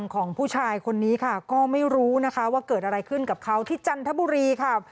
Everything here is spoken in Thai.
ของผู้ชายคนนี้ค่ะก็ไม่รู้นะคะว่าเกิดอะไรขึ้นกับเขาที่จันทบุรีค่ะ